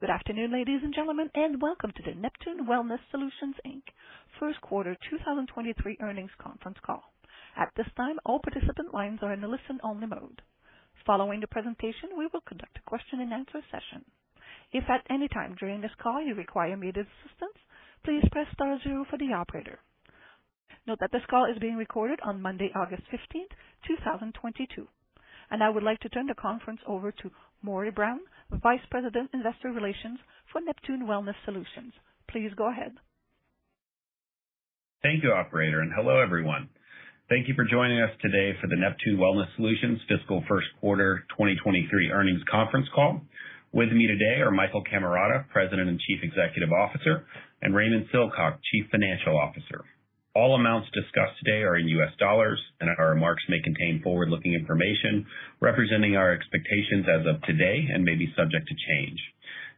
Good afternoon, ladies and gentlemen, and welcome to the Neptune Wellness Solutions Inc. First Quarter 2023 earnings conference call. At this time, all participant lines are in a listen only mode. Following the presentation, we will conduct a question and answer session. If at any time during this call you require immediate assistance, please press star zero for the operator. Note that this call is being recorded on Monday, August 15th, 2022. I would like to turn the conference over to Morry Brown, Vice President, Investor Relations for Neptune Wellness Solutions. Please go ahead. Thank you, operator, and hello, everyone. Thank you for joining us today for the Neptune Wellness Solutions Fiscal First Quarter 2023 earnings conference call. With me today are Michael Cammarata, President and Chief Executive Officer, and Raymond Silcock, Chief Financial Officer. All amounts discussed today are in US dollars, and our remarks may contain forward-looking information representing our expectations as of today and may be subject to change.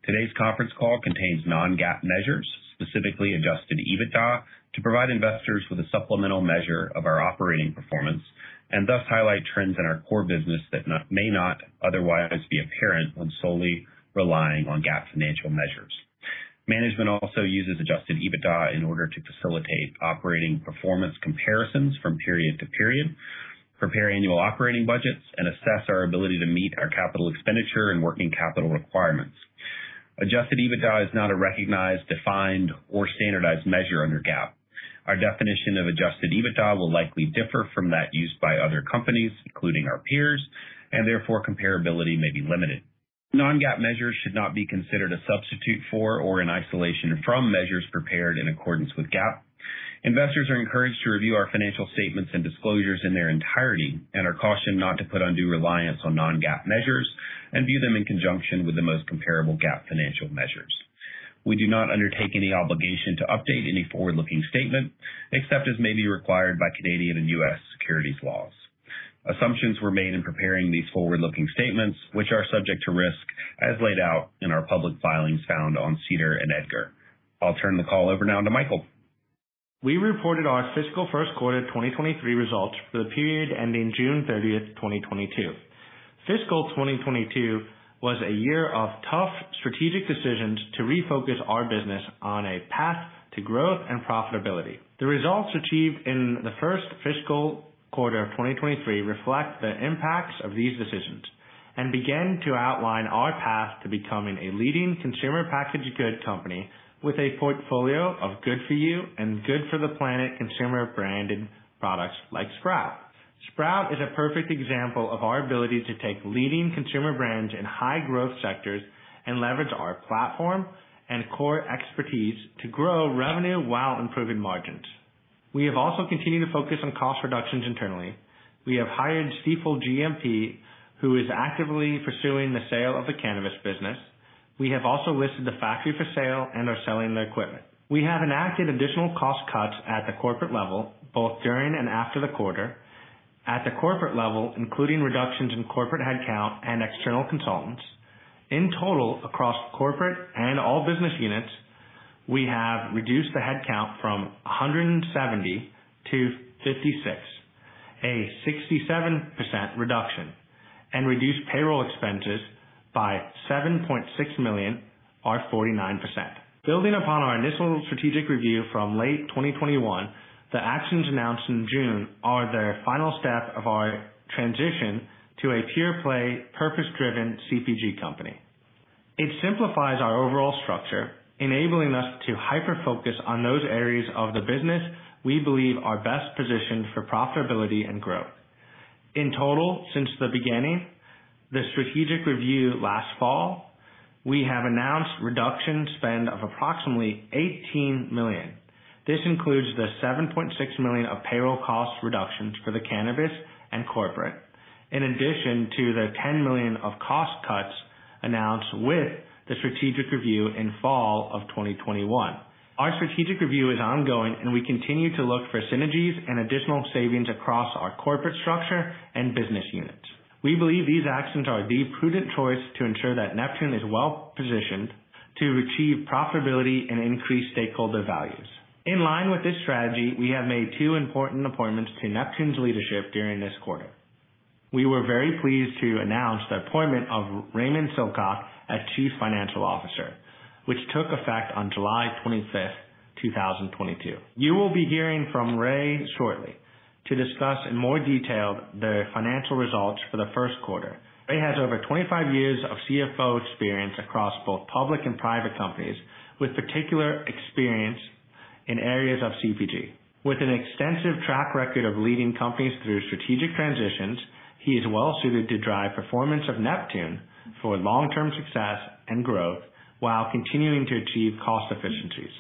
Today's conference call contains non-GAAP measures, specifically adjusted EBITDA, to provide investors with a supplemental measure of our operating performance, and thus highlight trends in our core business that may not otherwise be apparent when solely relying on GAAP financial measures. Management also uses adjusted EBITDA in order to facilitate operating performance comparisons from period to period, prepare annual operating budgets and assess our ability to meet our capital expenditure and working capital requirements. Adjusted EBITDA is not a recognized, defined, or standardized measure under GAAP. Our definition of adjusted EBITDA will likely differ from that used by other companies, including our peers, and therefore comparability may be limited. Non-GAAP measures should not be considered a substitute for or an isolation from measures prepared in accordance with GAAP. Investors are encouraged to review our financial statements and disclosures in their entirety, and are cautioned not to put undue reliance on non-GAAP measures and view them in conjunction with the most comparable GAAP financial measures. We do not undertake any obligation to update any forward-looking statement, except as may be required by Canadian and US securities laws. Assumptions were made in preparing these forward-looking statements, which are subject to risk as laid out in our public filings found on SEDAR and EDGAR. I'll turn the call over now to Michael. We reported our fiscal first quarter 2023 results for the period ending June 30th, 2022. Fiscal 2022 was a year of tough strategic decisions to refocus our business on a path to growth and profitability. The results achieved in the first fiscal quarter of 2023 reflect the impacts of these decisions, and begin to outline our path to becoming a leading consumer packaged goods company with a portfolio of good for you and good for the planet consumer-branded products like Sprout. Sprout is a perfect example of our ability to take leading consumer brands in high growth sectors, and leverage our platform and core expertise to grow revenue while improving margins. We have also continued to focus on cost reductions internally. We have hired Stifel GMP, who is actively pursuing the sale of the cannabis business. We have also listed the factory for sale and are selling the equipment. We have enacted additional cost cuts at the corporate level, both during and after the quarter. At the corporate level, including reductions in corporate headcount and external consultants. In total, across corporate and all business units, we have reduced the headcount from 170-56, a 67% reduction, and reduced payroll expenses by $7.6 million or 49%. Building upon our initial strategic review from late 2021, the actions announced in June are the final step of our transition to a pure play, purpose-driven CPG company. It simplifies our overall structure, enabling us to hyper focus on those areas of the business we believe are best positioned for profitability and growth. In total, since the beginning, the strategic review last fall, we have announced reduction spend of approximately $18 million. This includes the $7.6 million of payroll cost reductions for the cannabis and corporate. In addition to the $10 million of cost cuts announced with the strategic review in fall of 2021. Our strategic review is ongoing, and we continue to look for synergies and additional savings across our corporate structure and business units. We believe these actions are the prudent choice to ensure that Neptune is well-positioned to achieve profitability and increase stakeholder values. In line with this strategy, we have made two important appointments to Neptune's leadership during this quarter. We were very pleased to announce the appointment of Raymond Silcock as Chief Financial Officer, which took effect on July 25th, 2022. You will be hearing from Ray shortly to discuss in more detail the financial results for the first quarter. Ray has over 25 years of CFO experience across both public and private companies, with particular experience in areas of CPG. With an extensive track record of leading companies through strategic transitions, he is well suited to drive performance of Neptune for long-term success and growth while continuing to achieve cost efficiencies.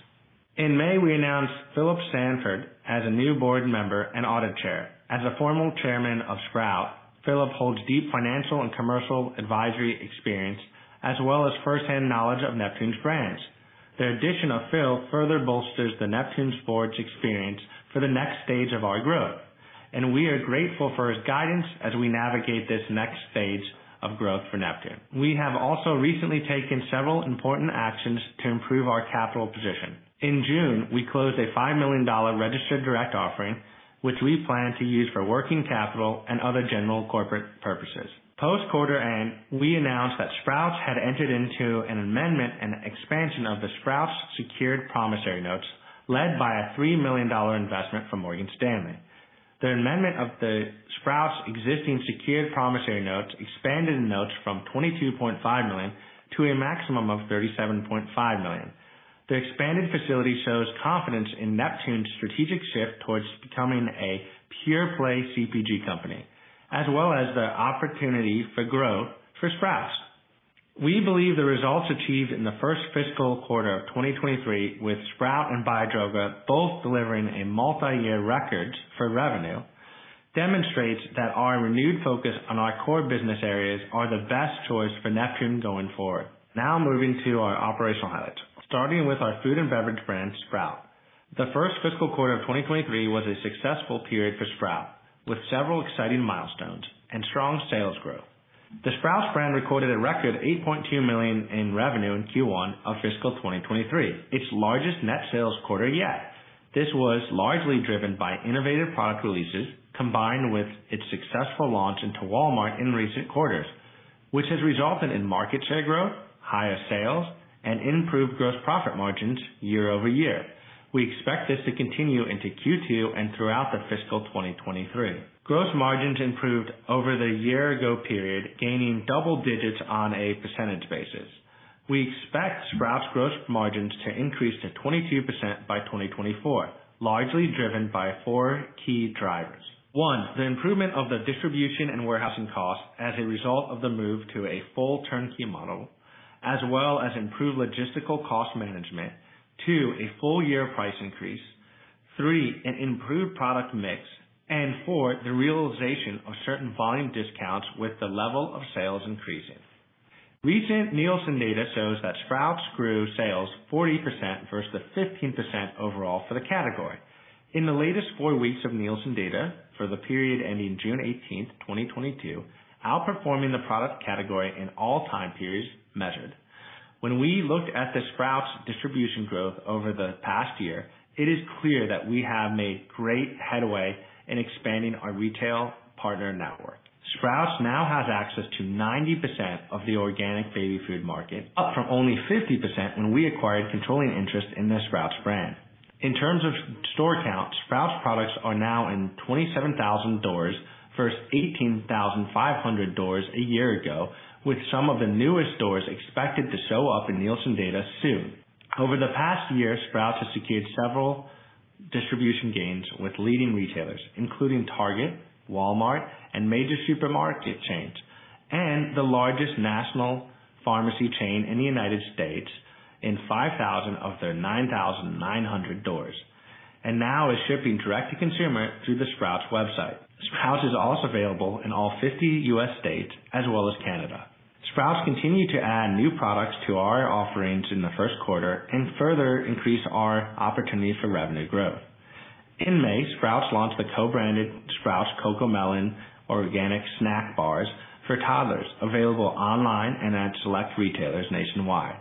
In May, we announced Phil Sanford as a new board member and audit chair. As a former chairman of Sprout, Phil holds deep financial and commercial advisory experience as well as firsthand knowledge of Neptune's brands. The addition of Phil further bolsters Neptune's board's experience for the next stage of our growth. We are grateful for his guidance as we navigate this next phase of growth for Neptune. We have also recently taken several important actions to improve our capital position. In June, we closed a $5 million registered direct offering, which we plan to use for working capital and other general corporate purposes. Post-quarter end, we announced that Sprout had entered into an amendment and expansion of the Sprout secured promissory notes, led by a $3 million investment from Morgan Stanley. The amendment of the Sprout existing secured promissory notes expanded the notes from $22.5 million to a maximum of $37.5 million. The expanded facility shows confidence in Neptune's strategic shift towards becoming a pure play CPG company, as well as the opportunity for growth for Sprout. We believe the results achieved in the first fiscal quarter of 2023, with Sprout and Biodroga both delivering a multi-year record for revenue, demonstrates that our renewed focus on our core business areas are the best choice for Neptune going forward. Now moving to our operational highlights, starting with our food and beverage brand, Sprout. The first fiscal quarter of 2023 was a successful period for Sprout, with several exciting milestones and strong sales growth. The Sprout brand recorded a record $8.2 million in revenue in Q1 of fiscal 2023, its largest net sales quarter yet. This was largely driven by innovative product releases combined with its successful launch into Walmart in recent quarters, which has resulted in market share growth, higher sales, and improved gross profit margins year-over-year. We expect this to continue into Q2 and throughout the fiscal 2023. Gross margins improved over the year ago period, gaining double digits on a percentage basis. We expect Sprout's gross margins to increase to 22% by 2024, largely driven by four key drivers. One, the improvement of the distribution and warehousing costs as a result of the move to a full turnkey model, as well as improved logistical cost management. Two, a full year price increase. Three, an improved product mix. Four, the realization of certain volume discounts with the level of sales increasing. Recent Nielsen data shows that Sprout grew sales 40% versus the 15% overall for the category. In the latest four weeks of Nielsen data for the period ending June 18th, 2022, outperforming the product category in all time periods measured. When we looked at the Sprout distribution growth over the past year, it is clear that we have made great headway in expanding our retail partner network. Sprout now has access to 90% of the organic baby food market, up from only 50% when we acquired controlling interest in the Sprout brand. In terms of store count, Sprout products are now in 27,000 doors versus 18,500 doors a year ago, with some of the newest doors expected to show up in Nielsen data soon. Over the past year, Sprout has secured several distribution gains with leading retailers, including Target, Walmart, and major supermarket chains, and the largest national pharmacy chain in the United States in 5,000 of their 9,900 doors, and now is shipping direct-to-consumer through the Sprout website. Sprout is also available in all 50 US states as well as Canada. Sprout continued to add new products to our offerings in the first quarter and further increased our opportunity for revenue growth. In May, Sprout launched the co-branded Sprout CoComelon Organic Snack Bars for toddlers, available online and at select retailers nationwide.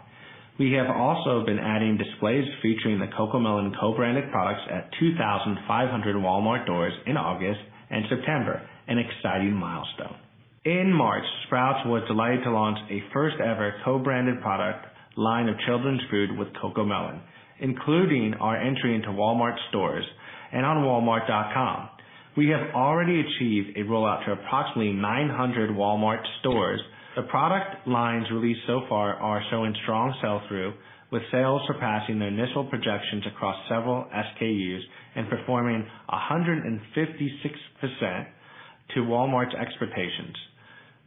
We have also been adding displays featuring the CoComelon co-branded products at 2,500 Walmart doors in August and September, an exciting milestone. In March, Sprout was delighted to launch a first-ever co-branded product line of children's food with CoComelon, including our entry into Walmart stores and on Walmart.com. We have already achieved a rollout to approximately 900 Walmart stores. The product lines released so far are showing strong sell-through, with sales surpassing their initial projections across several SKUs, and performing 156% to Walmart's expectations.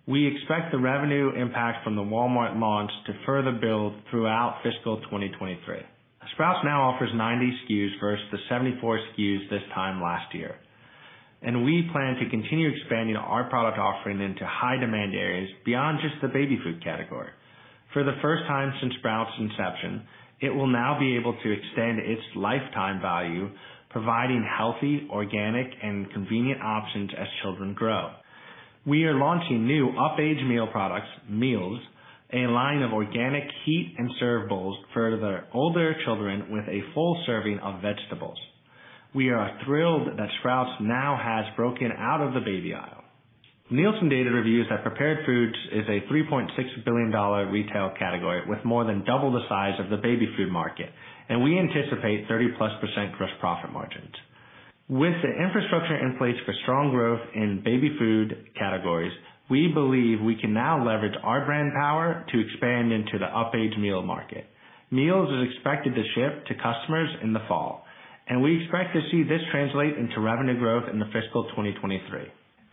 We expect the revenue impact from the Walmart launch to further build throughout fiscal 2023. Sprout now offers 90 SKUs versus the 74 SKUs this time last year. We plan to continue expanding our product offering into high demand areas beyond just the baby food category. For the first time since Sprout's inception, it will now be able to extend its lifetime value, providing healthy, organic, and convenient options as children grow. We are launching new up-age meal products, meals, a line of organic heat and serve bowls for the older children with a full serving of vegetables. We are thrilled that Sprout now has broken out of the baby aisle. Nielsen data reveals that prepared foods is a $3.6 billion retail category with more than double the size of the baby food market, and we anticipate 30%+ gross profit margins. With the infrastructure in place for strong growth in baby food categories, we believe we can now leverage our brand power to expand into the up-age meal market. Meals is expected to ship to customers in the fall, and we expect to see this translate into revenue growth in the fiscal 2023.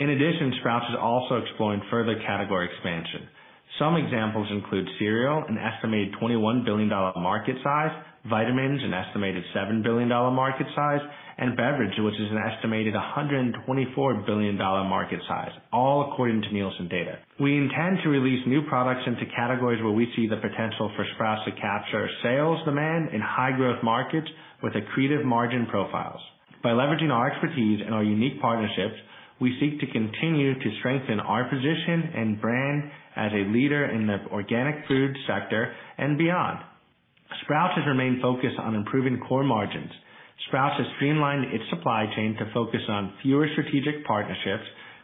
In addition, Sprout is also exploring further category expansion. Some examples include cereal, an estimated $21 billion market size, vitamins, an estimated $7 billion market size, and beverage, which is an estimated $124 billion market size, all according to Nielsen data. We intend to release new products into categories where we see the potential for Sprout to capture sales demand in high growth markets with accretive margin profiles. By leveraging our expertise and our unique partnerships, we seek to continue to strengthen our position and brand as a leader in the organic food sector and beyond. Sprout has remained focused on improving core margins. Sprouts has streamlined its supply chain to focus on fewer strategic partnerships,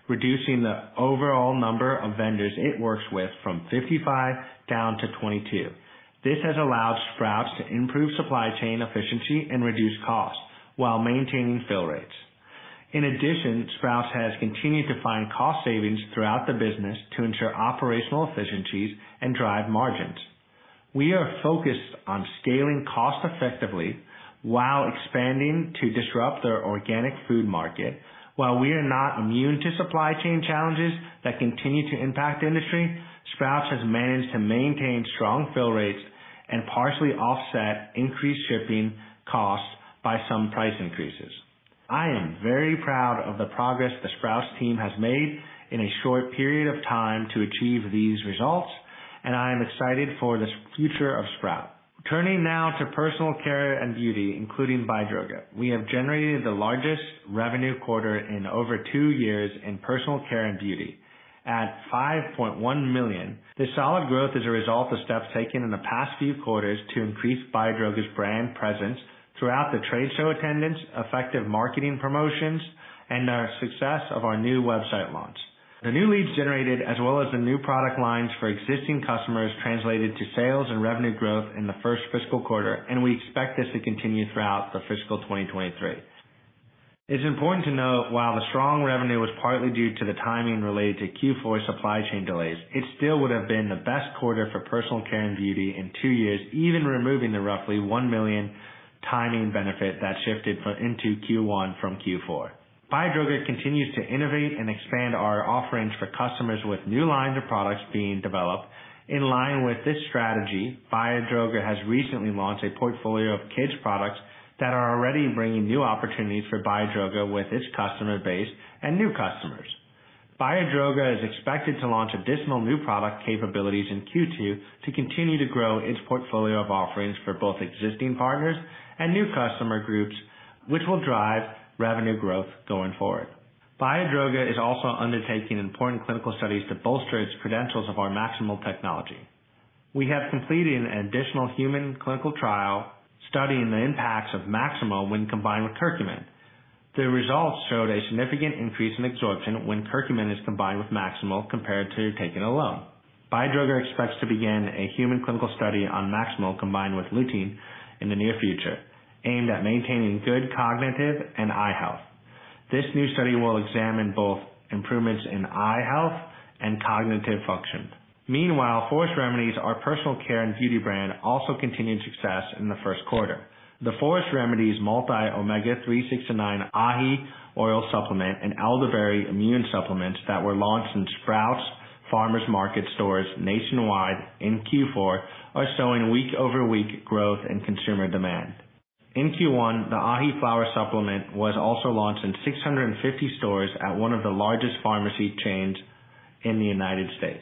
reducing the overall number of vendors it works with from 55 down to 22. This has allowed Sprouts to improve supply chain efficiency and reduce costs while maintaining fill rates. In addition, Sprouts has continued to find cost savings throughout the business to ensure operational efficiencies and drive margins. We are focused on scaling cost effectively while expanding to disrupt the organic food market. While we are not immune to supply chain challenges that continue to impact the industry, Sprouts has managed to maintain strong fill rates and partially offset increased shipping costs by some price increases. I am very proud of the progress the Sprouts team has made in a short period of time to achieve these results, and I am excited for the future of Sprout. Turning now to personal care and beauty, including Biodroga. We have generated the largest revenue quarter in over two years in personal care and beauty at $5.1 million. The solid growth is a result of steps taken in the past few quarters to increase Biodroga's brand presence throughout the trade show attendance, effective marketing promotions, and our success of our new website launch. The new leads generated as well as the new product lines for existing customers translated to sales and revenue growth in the first fiscal quarter, and we expect this to continue throughout the fiscal 2023. It's important to note while the strong revenue was partly due to the timing related to Q4 supply chain delays, it still would have been the best quarter for personal care and beauty in two years, even removing the roughly $1 million timing benefit that shifted from Q4 into Q1. Biodroga continues to innovate and expand our offerings for customers with new lines of products being developed. In line with this strategy, Biodroga has recently launched a portfolio of kids products that are already bringing new opportunities for Biodroga with its customer base and new customers. Biodroga is expected to launch additional new product capabilities in Q2 to continue to grow its portfolio of offerings for both existing partners and new customer groups, which will drive revenue growth going forward. Biodroga is also undertaking important clinical studies to bolster its credentials of our MaxSimil technology. We have completed an additional human clinical trial studying the impacts of MaxSimil when combined with curcumin. The results showed a significant increase in absorption when curcumin is combined with MaxSimil compared to taken alone. Biodroga expects to begin a human clinical study on MaxSimil combined with lutein in the near future, aimed at maintaining good cognitive and eye health. This new study will examine both improvements in eye health and cognitive function. Meanwhile, Forest Remedies, our personal care and beauty brand, also continued success in the first quarter. The Forest Remedies, Multi Omega 3-6-9 Ahiflower oil supplement and Elderberry immune supplements that were launched in Sprouts Farmers Market stores nationwide in Q4 are showing week-over-week growth in consumer demand. In Q1, the Ahiflower supplement was also launched in 650 stores at one of the largest pharmacy chains in the United States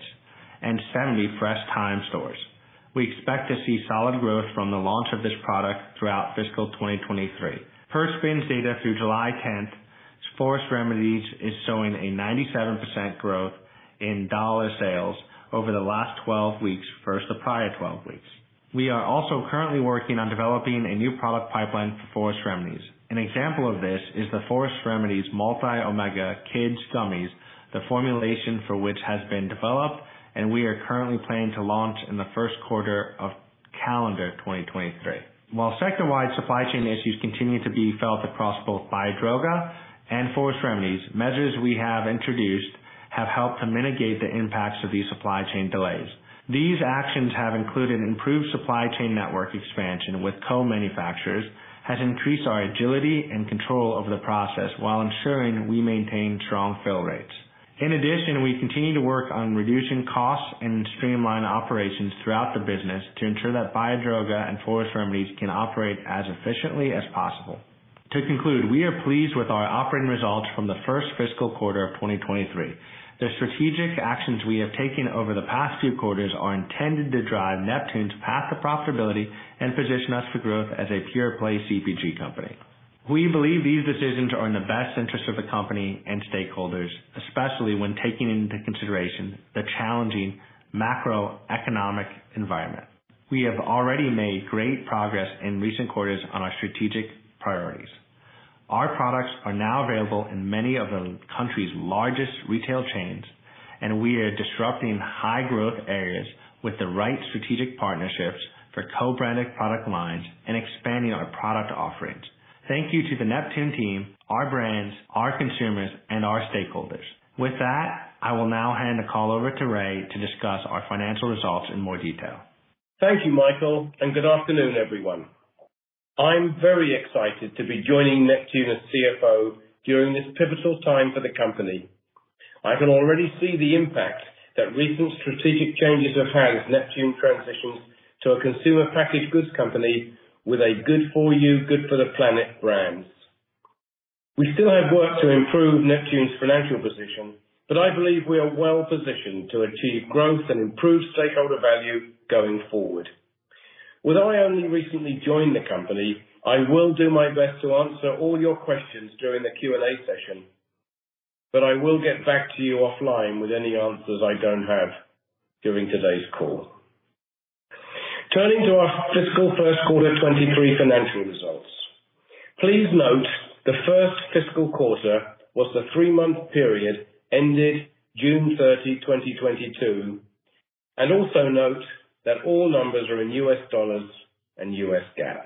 and 70 Fresh Thyme Market stores. We expect to see solid growth from the launch of this product throughout fiscal 2023. Per SPINS data through July 10, Forest Remedies is showing a 97% growth in dollar sales over the last 12 weeks versus the prior 12 weeks. We are also currently working on developing a new product pipeline for Forest Remedies. An example of this is the Forest Remedies Multi Omega Kids Gummies, the formulation for which has been developed, and we are currently planning to launch in the first quarter of calendar 2023. While sector-wide supply chain issues continue to be felt across both Biodroga and Forest Remedies, measures we have introduced have helped to mitigate the impacts of these supply chain delays. These actions have included improved supply chain network expansion with co-manufacturers, has increased our agility and control over the process while ensuring we maintain strong fill rates. In addition, we continue to work on reducing costs and streamline operations throughout the business to ensure that Biodroga and Forest Remedies can operate as efficiently as possible. To conclude, we are pleased with our operating results from the first fiscal quarter of 2023. The strategic actions we have taken over the past few quarters are intended to drive Neptune's path to profitability and position us for growth as a pure play CPG company. We believe these decisions are in the best interest of the company and stakeholders, especially when taking into consideration the challenging macroeconomic environment. We have already made great progress in recent quarters on our strategic priorities. Our products are now available in many of the country's largest retail chains, and we are disrupting high growth areas with the right strategic partnerships for co-branded product lines and expanding our product offerings. Thank you to the Neptune team, our brands, our consumers, and our stakeholders. With that, I will now hand the call over to Ray to discuss our financial results in more detail. Thank you, Michael, and good afternoon, everyone. I'm very excited to be joining Neptune as CFO during this pivotal time for the company. I can already see the impact that recent strategic changes have had as Neptune transitions to a consumer packaged goods company with good-for-you, good-for-the-planet brands. We still have work to improve Neptune's financial position, but I believe we are well positioned to achieve growth and improve stakeholder value going forward. Although I only recently joined the company, I will do my best to answer all your questions during the Q&A session. I will get back to you offline with any answers I don't have during today's call. Turning to our fiscal first quarter 2023 financial results. Please note the first fiscal quarter was the three-month period ended June 30, 2022, and also note that all numbers are in US dollars and US GAAP.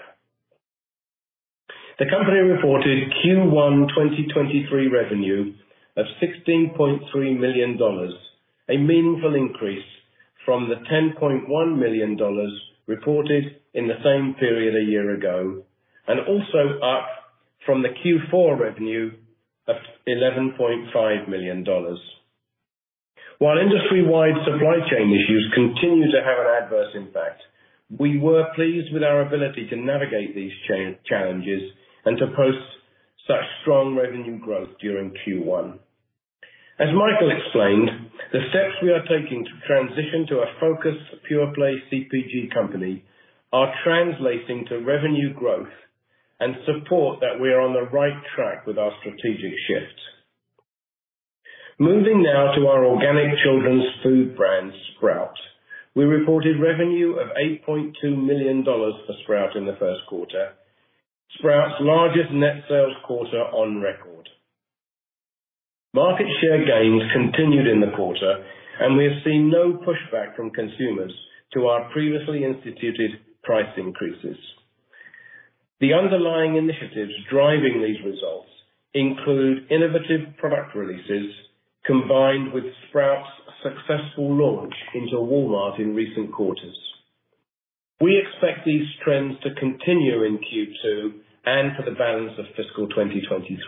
The company reported Q1 2023 revenue of $16.3 million, a meaningful increase from the $10.1 million reported in the same period a year ago, and also up from the Q4 revenue of $11.5 million. While industry-wide supply chain issues continue to have an adverse impact, we were pleased with our ability to navigate these challenges and to post such strong revenue growth during Q1. As Michael explained, the steps we are taking to transition to a focused, pure-play CPG company are translating to revenue growth and support that we are on the right track with our strategic shift. Moving now to our organic children's food brand, Sprout. We reported revenue of $8.2 million for Sprout in the first quarter. Sprout's largest net sales quarter on record. Market share gains continued in the quarter, and we have seen no pushback from consumers to our previously instituted price increases. The underlying initiatives driving these results include innovative product releases combined with Sprout's successful launch into Walmart in recent quarters. We expect these trends to continue in Q2 and for the balance of fiscal 2023.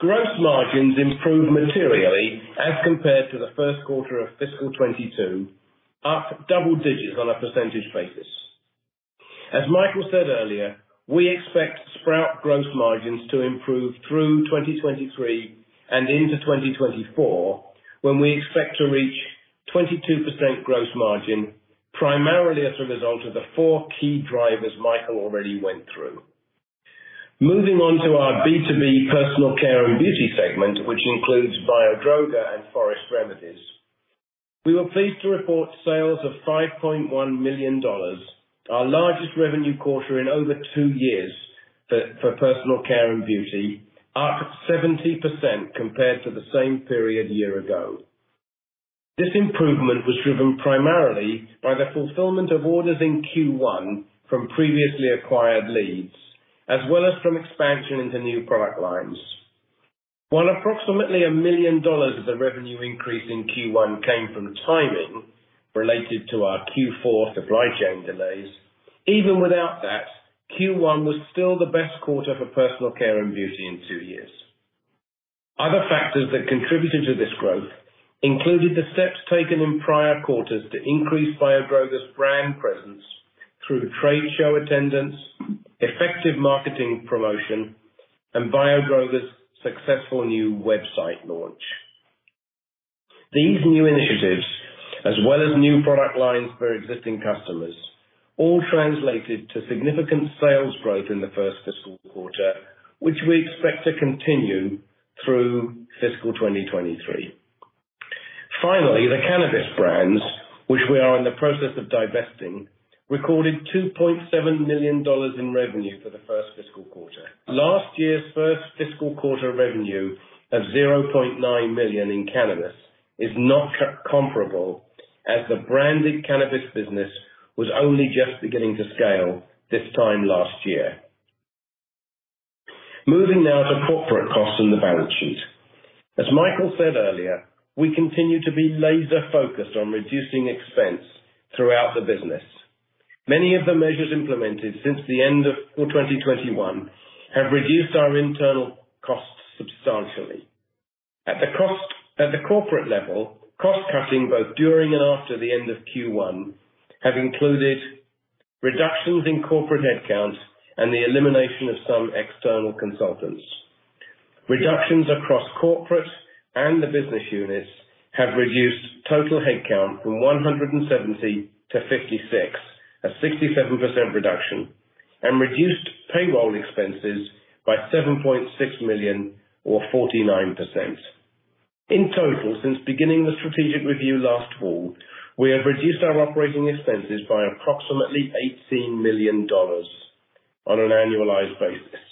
Gross margins improved materially as compared to the first quarter of fiscal 2022, up double digits on a percentage basis. As Michael said earlier, we expect Sprout gross margins to improve through 2023 and into 2024, when we expect to reach 22% gross margin, primarily as a result of the four key drivers Michael already went through. Moving on to our B2B personal care and beauty segment, which includes Biodroga and Forest Remedies. We were pleased to report sales of $5.1 million, our largest revenue quarter in over two years for personal care and beauty, up 70% compared to the same period a year ago. This improvement was driven primarily by the fulfillment of orders in Q1 from previously acquired leads, as well as from expansion into new product lines. While approximately $1 million of the revenue increase in Q1 came from timing related to our Q4 supply chain delays, even without that, Q1 was still the best quarter for personal care and beauty in two years. Other factors that contributed to this growth included the steps taken in prior quarters to increase Biodroga's brand presence through trade show attendance, effective marketing promotion, and Biodroga's successful new website launch. These new initiatives, as well as new product lines for existing customers, all translated to significant sales growth in the first fiscal quarter, which we expect to continue through fiscal 2023. Finally, the cannabis brands, which we are in the process of divesting, recorded $2.7 million in revenue for the first fiscal quarter. Last year's first fiscal quarter revenue of $0.9 million in cannabis is not comparable as the branded cannabis business was only just beginning to scale this time last year. Moving now to corporate costs and the balance sheet. As Michael said earlier, we continue to be laser-focused on reducing expense throughout the business. Many of the measures implemented since the end of full 2021 have reduced our internal costs substantially. At the corporate level, cost-cutting both during and after the end of Q1 have included reductions in corporate headcount and the elimination of some external consultants. Reductions across corporate and the business units have reduced total headcount from 170-56, a 67% reduction, and reduced payroll expenses by $7.6 million or 49%. In total, since beginning the strategic review last fall, we have reduced our operating expenses by approximately $18 million on an annualized basis.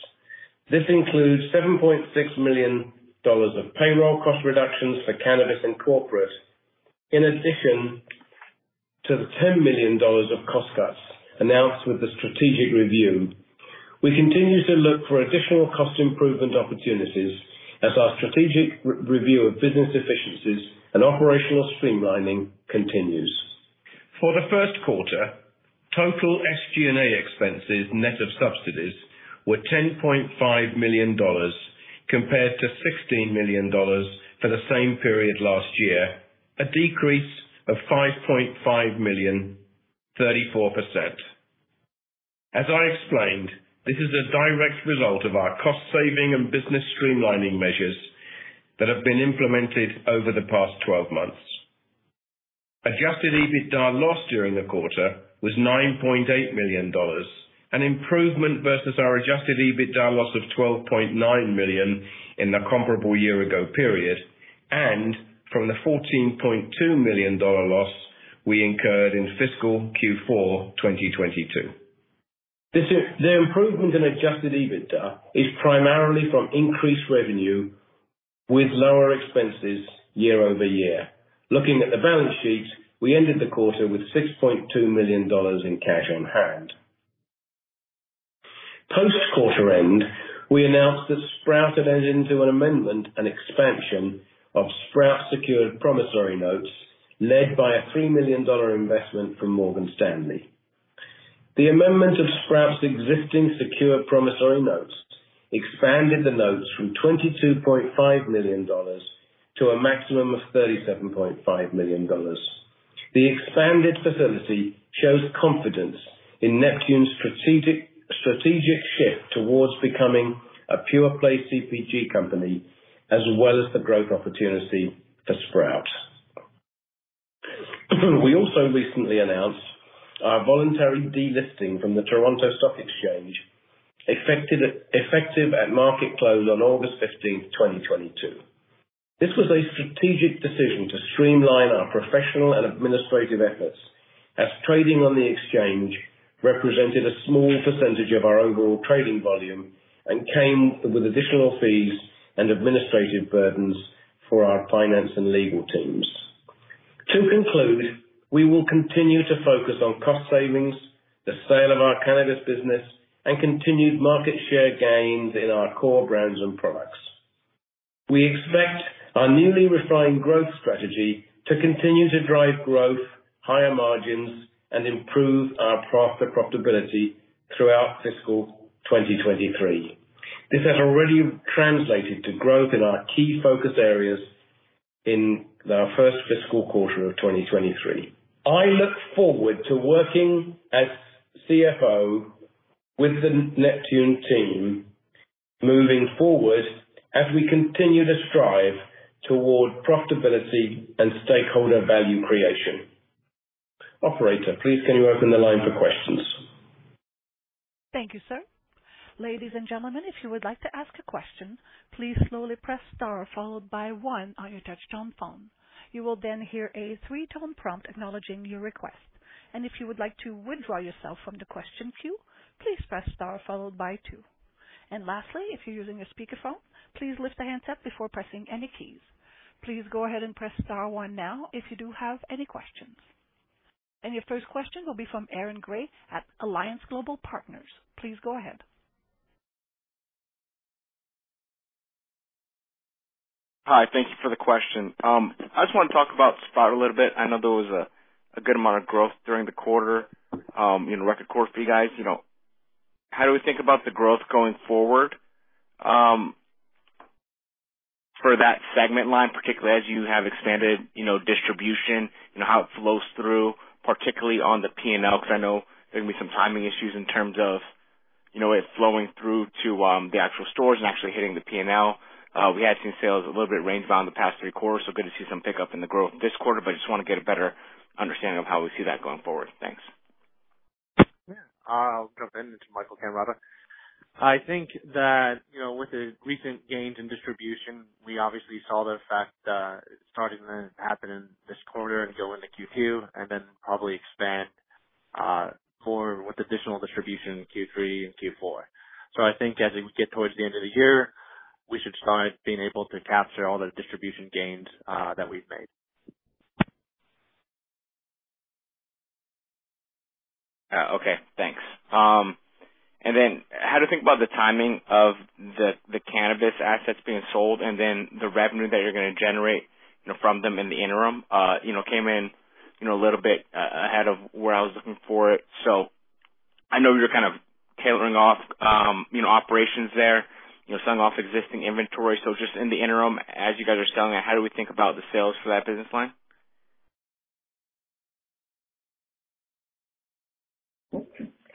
This includes $7.6 million of payroll cost reductions for cannabis and corporate, in addition to the $10 million of cost cuts announced with the strategic review. We continue to look for additional cost improvement opportunities as our strategic re-review of business efficiencies and operational streamlining continues. For the first quarter, total SG&A expenses net of subsidies were $10.5 million compared to $16 million for the same period last year, a decrease of $5.5 million, 34%. As I explained, this is a direct result of our cost-saving and business streamlining measures that have been implemented over the past 12 months. Adjusted EBITDA loss during the quarter was $9.8 million, an improvement versus our adjusted EBITDA loss of $12.9 million in the comparable year-ago period, and from the $14.2 million loss we incurred in fiscal Q4 2022. The improvement in adjusted EBITDA is primarily from increased revenue with lower expenses year-over-year. Looking at the balance sheet, we ended the quarter with $6.2 million in cash on hand. Post quarter end, we announced that Sprout had entered into an amendment and expansion of Sprout secured promissory notes, led by a $3 million investment from Morgan Stanley. The amendment of Sprout's existing secured promissory notes expanded the notes from $22.5 million to a maximum of $37.5 million. The expanded facility shows confidence in Neptune's strategic shift towards becoming a pure play CPG company as well as the growth opportunity for Sprout. We also recently announced our voluntary delisting from the Toronto Stock Exchange, effective at market close on August fifteenth, 2022. This was a strategic decision to streamline our professional and administrative efforts as trading on the exchange represented a small percentage of our overall trading volume and came with additional fees and administrative burdens for our finance and legal teams. To conclude, we will continue to focus on cost savings, the sale of our cannabis business and continued market share gains in our core brands and products. We expect our newly refined growth strategy to continue to drive growth, higher margins, and improve our profitability throughout fiscal 2023. This has already translated to growth in our key focus areas in our first fiscal quarter of 2023. I look forward to working as CFO with the Neptune team moving forward as we continue to strive toward profitability and stakeholder value creation. Operator, please can you open the line for questions? Thank you, sir. Ladies and gentlemen, if you would like to ask a question, please slowly press star followed by one on your touchtone phone. You will then hear a three-tone prompt acknowledging your request. If you would like to withdraw yourself from the question queue, please press star followed by two. Lastly, if you're using a speakerphone, please lift the handset before pressing any keys. Please go ahead and press star one now if you do have any questions. Your first question will be from Aaron Grey at Alliance Global Partners. Please go ahead. Hi. Thank you for the question. I just wanna talk about Sprout a little bit. I know there was a good amount of growth during the quarter, in a record quarter for you guys. You know, how do we think about the growth going forward, for that segment line particularly as you have expanded, you know, distribution and how it flows through, particularly on the P&L, 'cause I know there can be some timing issues in terms of, you know, it flowing through to the actual stores and actually hitting the P&L. We had seen sales a little bit range bound the past three quarters, so good to see some pickup in the growth this quarter, but just wanna get a better understanding of how we see that going forward. Thanks. Yeah. I'll jump into Michael Cammarata. I think that, you know, with the recent gains in distribution, we obviously saw the effect, starting to happen in this quarter and go into Q2 and then probably expand, more with additional distribution in Q3 and Q4. I think as we get towards the end of the year, we should start being able to capture all the distribution gains, that we've made. Okay, thanks. How do you think about the timing of the cannabis assets being sold and then the revenue that you're gonna generate, you know, from them in the interim? You know, came in, you know, a little bit ahead of where I was looking for it. I know you're kind of tailing off operations there, you know, selling off existing inventory. Just in the interim, as you guys are selling it, how do we think about the sales for that business line?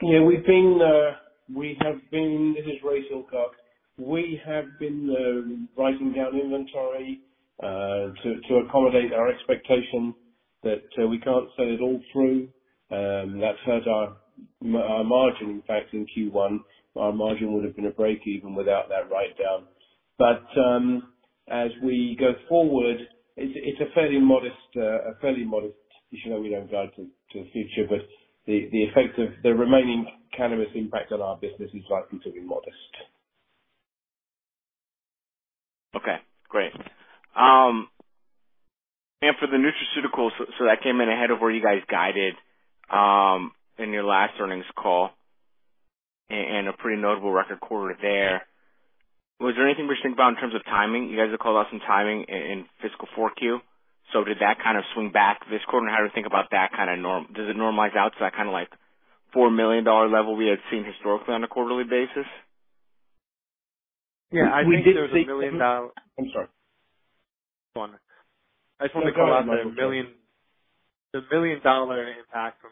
This is Raymond Silcock. We have been writing down inventory to accommodate our expectation that we can't sell it all through. That's hurt our margin. In fact, in Q1, our margin would have been breakeven without that write-down. As we go forward, it's a fairly modest issue that we don't guide to the future. The effect of the remaining cannabis impact on our business is likely to be modest. Okay, great. For the nutraceuticals, that came in ahead of where you guys guided in your last earnings call and a pretty notable record quarter there. Was there anything we should think about in terms of timing? You guys had called out some timing in fiscal 4Q. Did that kind of swing back this quarter? How do we think about that kind of norm? Does it normalize out to that kind of like $4 million level we had seen historically on a quarterly basis? Yeah, I think there's $1 million. I'm sorry. Go on. I just wanna call out the $1 million impact from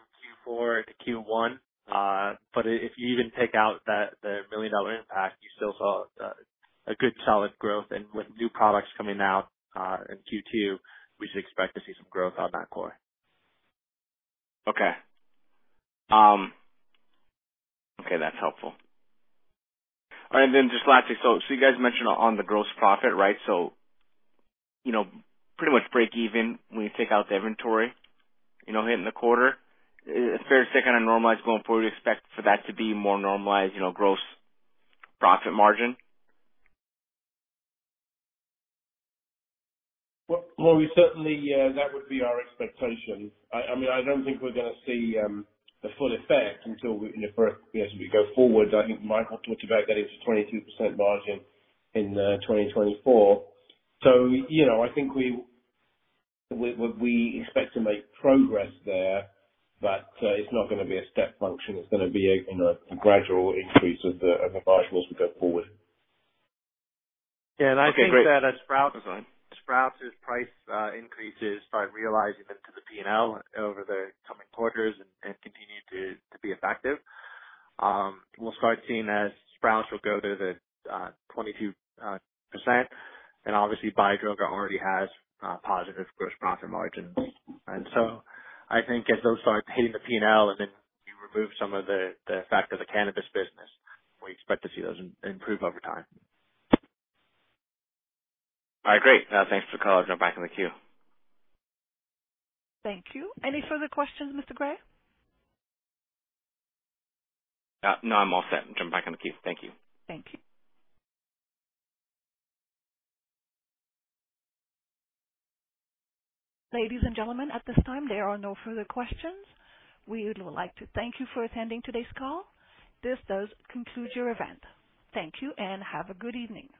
Q4 to Q1. But if you even take out that, the $1 million impact, you still saw a good solid growth. With new products coming out in Q2, we should expect to see some growth on that core. Okay. Okay, that's helpful. Then just lastly, so you guys mentioned on the gross profit, right? So, you know, pretty much break even when you take out the inventory, you know, hitting the quarter. Is it fair to say kind of normalized going forward, we expect for that to be more normalized, you know, gross profit margin? Well, that would be our expectation. I mean, I don't think we're gonna see the full effect until we, you know, for, you know, as we go forward. I think Michael talked about getting to 22% margin in 2024. You know, I think we expect to make progress there, but it's not gonna be a step function. It's gonna be a, you know, a gradual increase of the margin as we go forward. Okay, great. Yeah, I think that at Sprouts. That's fine. Sprouts' price increases start realizing into the P&L over the coming quarters and continue to be effective. We'll start seeing as Sprouts will go to the 22%. Obviously Biodroga already has positive gross profit margin. I think as those start hitting the P&L, and then you remove some of the fact of the cannabis business, we expect to see those improve over time. All right, great. Thanks for the call. I'll jump back in the queue. Thank you. Any further questions, Mr. Grey? No, I'm all set. Jump back in the queue. Thank you. Thank you. Ladies and gentlemen, at this time, there are no further questions. We would like to thank you for attending today's call. This does conclude your event. Thank you and have a good evening.